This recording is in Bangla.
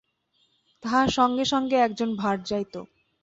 তাঁহার সঙ্গে সঙ্গে একজন ভাট যাইত।